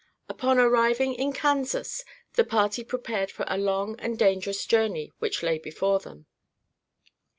Upon arriving in Kansas the party prepared for a long and dangerous journey which lay before them.